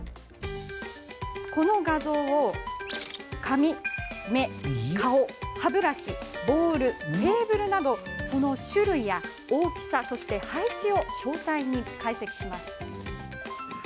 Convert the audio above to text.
この画像を髪、目、顔歯ブラシ、ボウル、テーブルなどその種類や大きさ、配置を詳細に解析します。